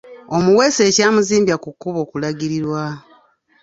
Omuweesi ekyamuzimbya ku kkubo kulagirirwa